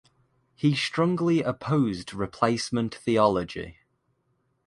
He strongly opposed replacement theology.